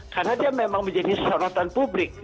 karena dia memang menjadi seorang tanpublik